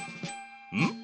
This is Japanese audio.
うん？